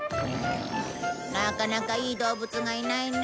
なかなかいい動物がいないね。